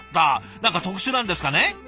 何か特殊なんですかね？